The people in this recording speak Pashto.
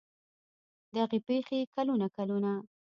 دغې پېښې کلونه کلونه